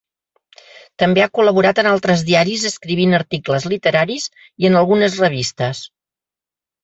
També ha col·laborat en altres diaris escrivint articles literaris i en algunes revistes.